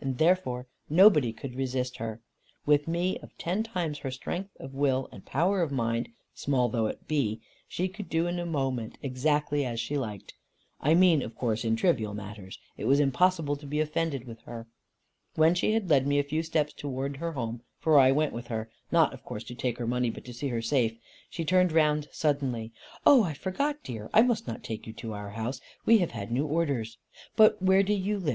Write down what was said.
And therefore nobody could resist her. With me, of ten times her strength of will, and power of mind small though it be she could do in a moment exactly as she liked; I mean of course in trivial matters. It was impossible to be offended with her. When she had led me a few steps towards her home for I went with her (not, of course, to take her money, but to see her safe), she turned round suddenly: "Oh I forgot, dear; I must not take you to our house. We have had new orders. But where do you live?